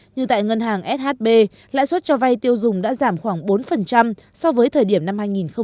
như tại ngân hàng shb lãi suất cho vai tiêu dùng đã giảm khoảng bốn so với thời điểm năm hai nghìn hai mươi ba